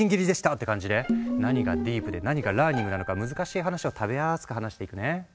って感じで何がディープで何がラーニングなのか難しい話を食べやすく話していくね。